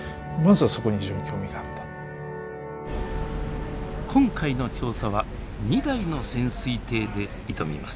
今回の調査は２台の潜水艇で挑みます。